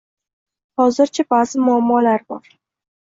Hozircha ba'zi muammolar bor